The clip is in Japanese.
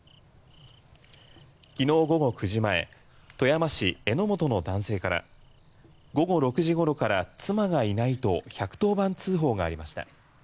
きのう午後９時前富山市江本の男性から午後６時ごろから妻がいないと１１０番通報がありました。